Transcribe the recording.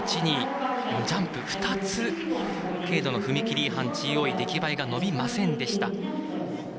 ジャンプ、２つ軽度の踏み切り違反ＧＯＥ、出来栄えが伸びませんでした。